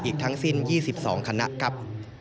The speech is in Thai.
อีกทั้งสิ้น๒๒คณะครับ